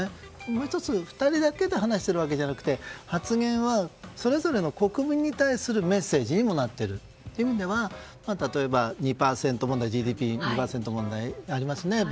もう１つ、２人だけで話しているわけじゃなくて発言は、それぞれの国民に対するメッセージにもなっているという意味では例えば貿易のＧＤＰ２％問題ありますね。